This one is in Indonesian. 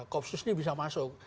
kopsus ini bisa masuk